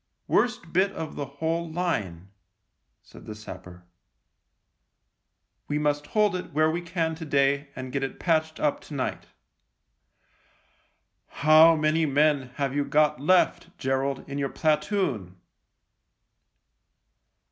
" Worst bit of the whole line," said the sapper. " We must hold it where we can to day and get it patched up to night." " How many men have you got left, Gerald, in your platoon